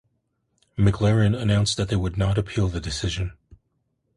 McLaren announced that they would not appeal the decision.